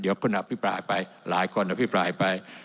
เดี๋ยวคุณอภิปรายไปหลายคนอภิปรายไป